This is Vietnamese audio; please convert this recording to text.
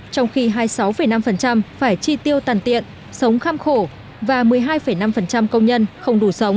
trong khi hai mươi sáu năm phải chi tiêu tàn tiện sống khăm khổ và một mươi hai năm công nhân không đủ sống